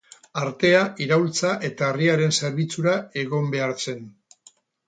Artea iraultza eta herriaren zerbitzura egon behar zen.